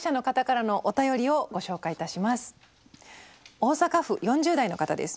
大阪府４０代の方です。